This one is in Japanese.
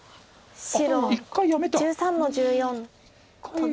白１３の十四トビ。